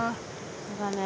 そうだね。